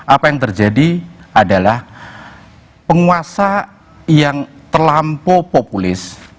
apa yang terjadi adalah penguasa yang terlampau populis